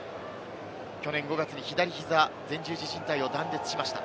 去年５月に左膝前十字靭帯を断裂しました。